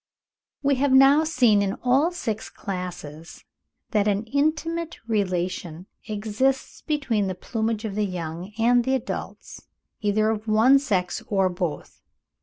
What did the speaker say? We have now seen in all six classes, that an intimate relation exists between the plumage of the young and the adults, either of one sex or both.